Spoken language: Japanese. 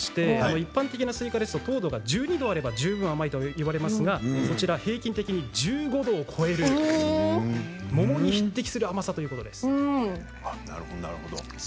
一般的なスイカは糖度が１２度あれば十分甘いといわれるんですがこちらは平均的に１５度を超える桃に匹敵する甘さだということです。